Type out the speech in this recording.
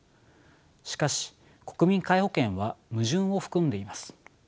しかし国民皆保険は矛盾を含んでいます。